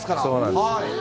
そうなんです。